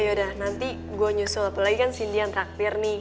yaudah nanti gue nyusul apalagi kan si dian traktir nih